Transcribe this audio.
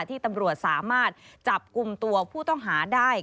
ที่ตำรวจสามารถจับกลุ่มตัวผู้ต้องหาได้